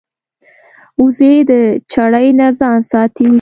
وزې د چړې نه ځان ساتي